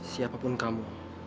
siapa pun kamu